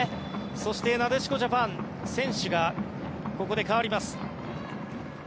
そしてなでしこジャパン選手がここで代わります。